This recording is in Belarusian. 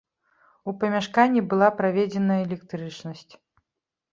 У памяшканне была праведзеная электрычнасць.